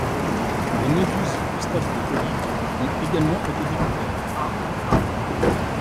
Des méduses au stade de polype ont également été découverts.